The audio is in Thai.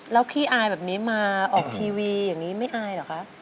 แล้วขี้อายแบบนี้มาออกทีวีอย่างนี้ไม่อายเหรอคะ